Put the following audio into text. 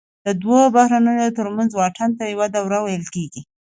د دوو بحرانونو ترمنځ واټن ته یوه دوره ویل کېږي